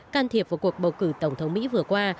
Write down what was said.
can thiệp vào cuộc bầu cử tổng thống mỹ vừa qua